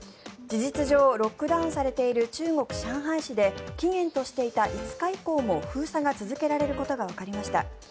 事実上ロックダウンされている中国・上海市で期限としていた５日以降も封鎖が続けられることがわかりました。